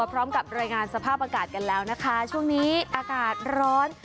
พร้อมกับรายงานสภาพอากาศกันแล้วนะคะช่วงนี้อากาศร้อน